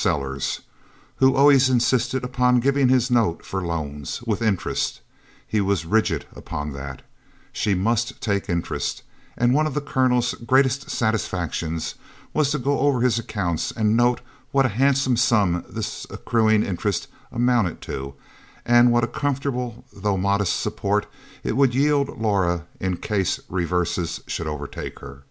Sellers who always insisted upon giving his note for loans with interest; he was rigid upon that; she must take interest; and one of the Colonel's greatest satisfactions was to go over his accounts and note what a handsome sum this accruing interest amounted to, and what a comfortable though modest support it would yield Laura in case reverses should overtake her.